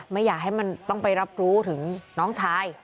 ไม่อยากให้มันต้องไปรับรู้ถึงน้องชาย